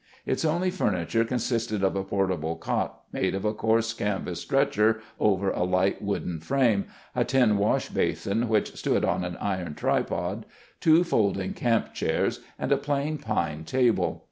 Its only furniture consisted of a portable cot made of a coarse canvas stretcher over a light wooden frame, a tin wash basin which stood on an iron tripod, two folding camp chairs, and a plain pine table.